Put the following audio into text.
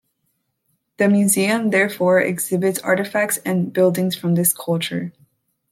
The museum, therefore, exhibit artifacts and buildings from this culture.